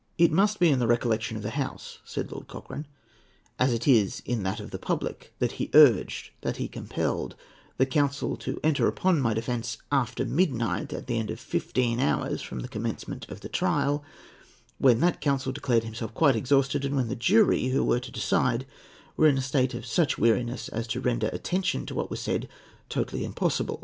"It must be in the recollection of the House," said Lord Cochrane, "as it is in that of the public, that he urged, that he compelled, the counsel to enter upon my defence after midnight, at the end of fifteen hours from the commencement of the trial, when that counsel declared himself quite exhausted, and when the jury, who were to decide, were in a state of such weariness as to render attention to what was said totally impossible.